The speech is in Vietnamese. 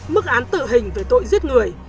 mức án tử hình về tội giết người